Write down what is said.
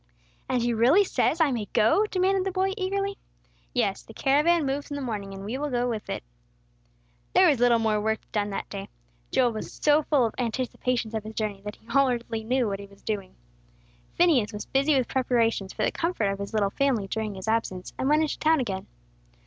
"And he really says I may go?" demanded the boy, eagerly. "Yes, the caravan moves in the morning, and we will go with it." There was little more work done that day. Joel was so full of anticipations of his journey that he scarcely knew what he was doing. Phineas was busy with preparations for the comfort of his little family during his absence, and went into town again.